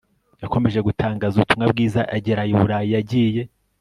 yakomeje gutangaza ubutumwa bwiza agera n i Burayi Yagiye